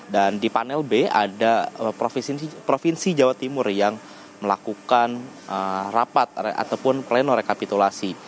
dan di panel b ada provinsi jawa timur yang melakukan rapat ataupun pleno rekapitulasi